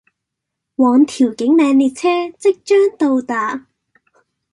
往調景嶺列車即將到達